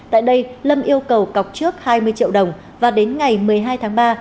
tại đây lâm yêu cầu cọc trước hai mươi triệu đồng và đến ngày một mươi hai tháng ba